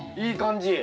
いい感じ。